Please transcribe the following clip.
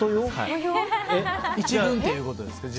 １軍っていうことですか？